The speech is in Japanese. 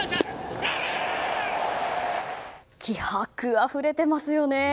気迫あふれてますよね。